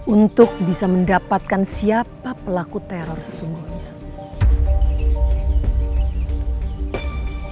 untuk bisa mendapatkan siapa pelaku teror sesungguhnya